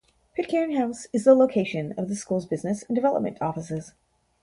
Pitcairn House is the location of the school's business and development offices.